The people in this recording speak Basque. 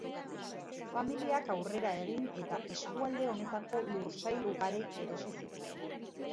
Familiak aurrera egin eta eskualde honetako lursail ugari erosi zituen.